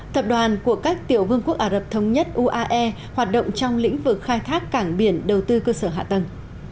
tập đoàn của các tiểu vương quốc ả rập thống nhất uae hoạt động trong lĩnh vực khai thác cảng biển đầu tư cơ sở hạ tầng